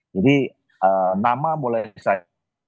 jadi nama boleh saya